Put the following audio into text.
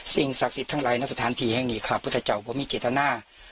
สิ่งศักดิ์สิทธิ์ทั้งหลายในสถานที่แห่งนี้ค่ะพุทธเจ้าผมมีเจตนา